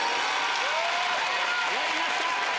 やりました！